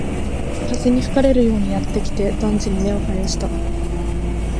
風に吹かれるようにやってきて、団地に根を生やした